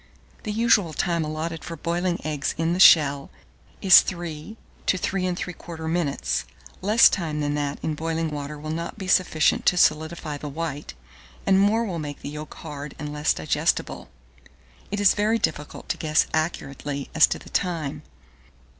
The usual time allotted for boiling eggs in the shell is 3 to 3 3/4 minutes: less time than that in boiling water will not be sufficient to solidify the white, and more will make the yolk hard and less digestible: it is very difficult to guess accurately as to the time.